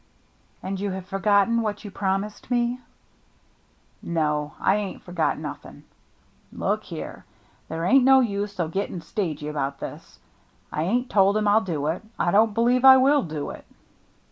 " And you have forgotten what you prom ised me ?"" No, I ain't forgot nothing. Look here, there ain't no use o' getting stagy about this. I ain't told him I'll do it. I don't believe I will do it."